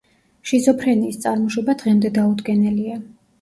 შიზოფრენიის წარმოშობა დღემდე დაუდგენელია.